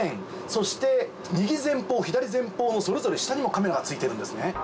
そして右前方左前方のそれぞれ下にもカメラが付いてるんですね。